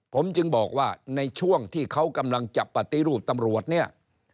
ผมจึงบอกว่าในช่วงที่เขากำลังจะปฏิรูปตำรวจเนี่ย